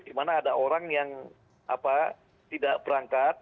dimana ada orang yang apa tidak berangkat